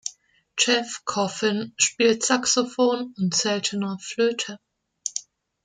Jeff Coffin spielt Saxophon und, seltener, Flöte.